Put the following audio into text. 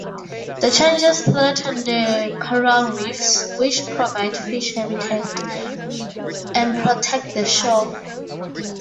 The changes threaten the coral reefs, which provide fish habitat and protect the shore.